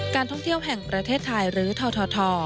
การท่องเที่ยวแห่งประเทศไทยหรือทท